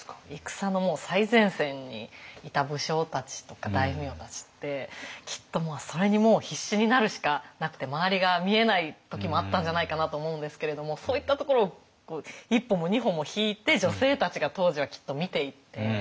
戦のもう最前線にいた武将たちとか大名たちってきっとそれにもう必死になるしかなくて周りが見えない時もあったんじゃないかなと思うんですけれどもそういったところを１歩も２歩も引いて女性たちが当時はきっと見ていて。